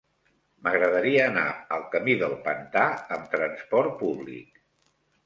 M'agradaria anar al camí del Pantà amb trasport públic.